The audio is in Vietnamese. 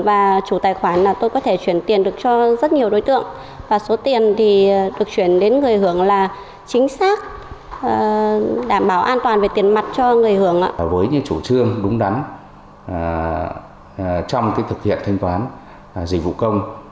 với những chủ trương đúng đắn trong thực hiện thanh toán dịch vụ công